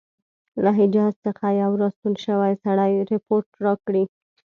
له حجاز څخه یو را ستون شوي سړي رپوټ راکړی.